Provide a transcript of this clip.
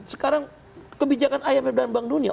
sekarang kebijakan imf dan bank dunia